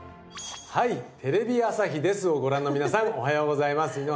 『はい！テレビ朝日です』をご覧の皆さんおはようございます。